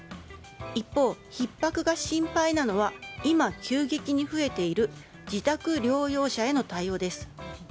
一方、ひっ迫が心配なのは今、急激に増えている自宅療養者への対応です。